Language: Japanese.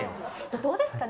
どうですかね？